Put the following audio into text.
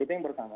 itu yang pertama